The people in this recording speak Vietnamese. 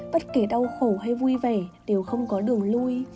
bất kể đau khổ hay vui vẻ đều không có đường lui